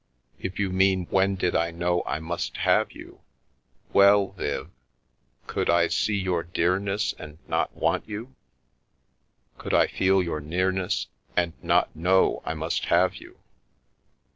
If you mean when did I know I must have you — well, Viv, could I see your dearness and not want you ; could I feel your nearness, and not know I must have you